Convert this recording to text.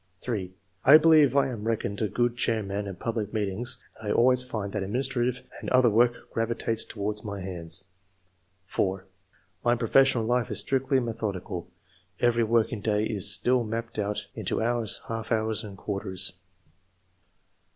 —*^ I believe I am reckoned a good chair man at public meetings, and I always find that administrative and other work gravitates to wards my hands." 4. — "My professional life is strictly metho dical ; every working day is still mapped out into hours, half hours, and quarters."